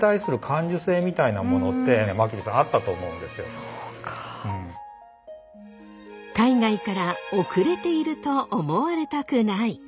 そういう海外から後れていると思われたくない。